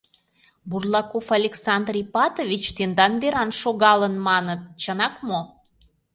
Бурлаков Александр Ипатович тендан деран шогалын, маныт, чынак мо?